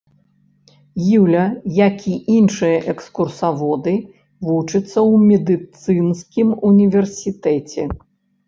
Юля, як і іншыя экскурсаводы, вучыцца ў медыцынскім універсітэце.